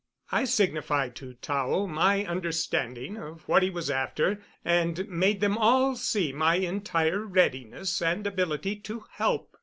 I signified to Tao my understanding of what he was after, and made them all see my entire readiness and ability to help.